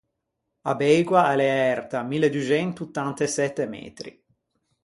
A Beigua a l’é erta mille duxento ottant’e sette metri.